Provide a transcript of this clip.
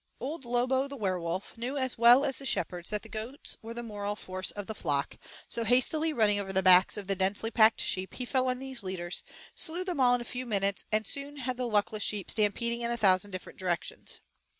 Old Lobo, the werewolf, knew as well as the shepherds that the goats were the moral force of the flock, so, hastily running over the backs of the densely packed sheep, he fell on these leaders, slew them all in a few minutes, and soon had the luckless sheep stampeding in a thousand different directions.